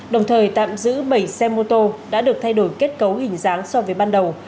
đồng thời tạm giữ bảy xe mô tô đã được thay đổi kết cấu hình dáng so với ban đầu